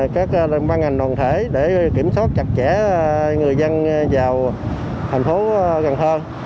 các băng hành đoàn thể để kiểm soát chặt chẽ người dân vào thành phố cần thơ